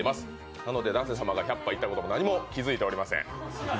なので舘様が１００杯いったことも、誰も気付いていません。